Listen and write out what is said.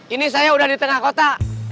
ini saya udah di tengah kota